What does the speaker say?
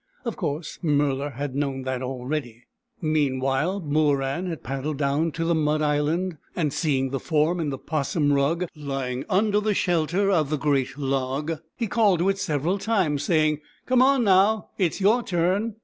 Of course, Murla had known that already. Meanwhile, Booran had paddled down to the mud island, and, seeing the form in the 'possum BOORAN. THE PELICAN 99 rug, lying under the shelter of the great log, he called to it several times, saying, " Come on, now. It is your turn."